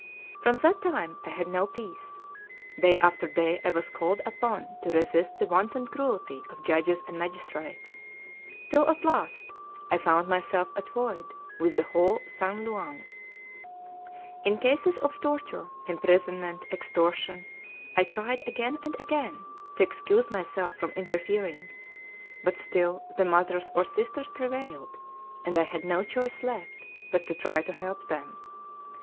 From that time I had no peace. Day after day I was called upon to resist the wanton cruelty of judges and magistrates, till at last I found myself at feud with the whole "San Luang." In cases of torture, imprisonment, extortion, I tried again and again to excuse myself from interfering, but still the mothers or sisters prevailed, and I had no choice left but to try to help them.